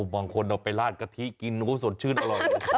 บางคนเอาไปลาดกะทิกินสดชื่นอร่อย